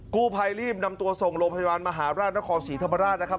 กูไพรลีบนำตัวส่งโรงพยาบาลมหาราชรศรภรรภาศนะครับ